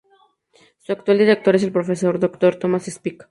Su actual director es el profesor Dr. Thomas Speck.